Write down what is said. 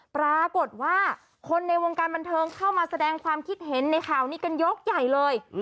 ปรากฏว่าคนในวงการบันเทิงเข้ามาแสดงความคิดเห็นในข่าวนี้กันยกใหญ่เลย